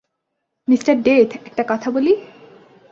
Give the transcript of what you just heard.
Mr death, একটা কথা বলি?